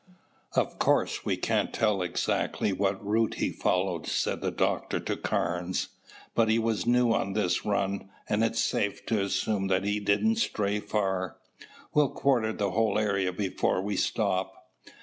"Of course, we can't tell exactly what route he followed," said the doctor to Carnes, "but he was new on this run and it is safe to assume that he didn't stray far. We'll quarter the whole area before we stop."